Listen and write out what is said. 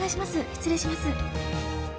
失礼します。